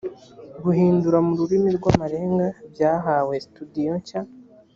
guhindura mu rurimi rw’ amarenga byahawe sitidiyo nshya